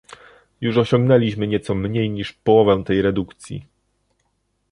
Już osiągnęliśmy nieco mniej niż połowę tej redukcji